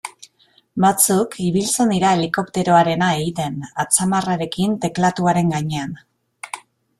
Batzuk ibiltzen dira helikopteroarena egiten atzamarrarekin teklatuaren gainean.